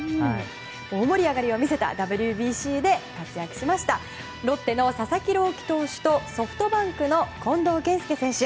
大盛り上がりを見せたＷＢＣで活躍しましたロッテの佐々木朗希投手とソフトバンクの近藤健介選手。